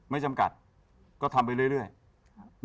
ไม่จำกัดก็ทำไปเรื่อยครับ